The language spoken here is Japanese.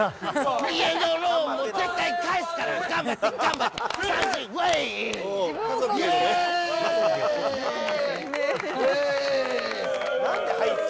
家のローンも絶対返すから、頑張って、頑張って！